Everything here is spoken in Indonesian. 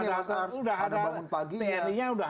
tni nya sudah ada yang memang harus itu saja yang dipenuhi